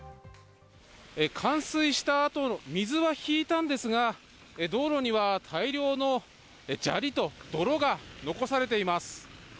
冠水したあと水は引いたんですが、道路には大量の砂利と泥が残されています。